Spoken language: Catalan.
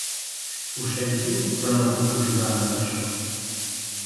Ho sento, però no puc ajudar amb això.